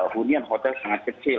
hunian hotel sangat kecil